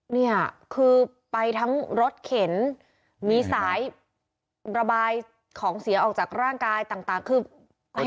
เนี่ยคือไปทั้งรถเข็นมีสายระบายของเสียออกจากร่างกายต่างคือ